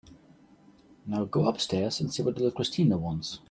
Now go upstairs and see what little Christina wants.